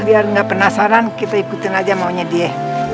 biar nggak penasaran kita ikutin aja maunya dia